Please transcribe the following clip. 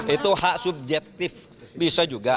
itu hak subjektif bisa juga